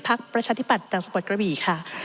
พรรคประชาธิบัตรจางสมบัติกระบิค่ะ